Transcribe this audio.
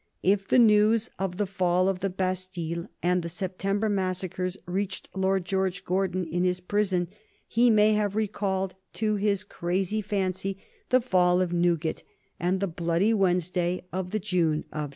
If the news of the fall of the Bastille and the September massacres reached Lord George Gordon in his prison, he may have recalled to his crazed fancy the fall of Newgate and the bloody Wednesday of the June of 1780.